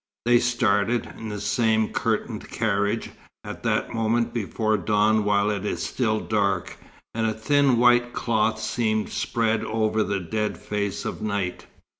They started, in the same curtained carriage, at that moment before dawn while it is still dark, and a thin white cloth seems spread over the dead face of night.